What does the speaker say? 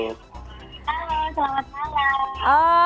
hai selamat malam